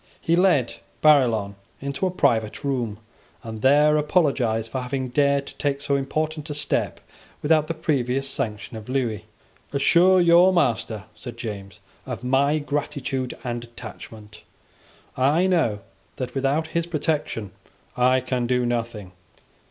He led Barillon into a private room, and there apologised for having dared to take so important a step without the previous sanction of Lewis. "Assure your master," said James, "of my gratitude and attachment. I know that without his protection I can do nothing.